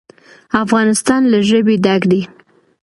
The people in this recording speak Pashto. افغانستان له ژبې ډک دی.